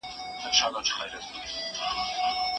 که وغواړي، ډېر ړانده سړي به په ګڼ ځای کي ږیري ولري.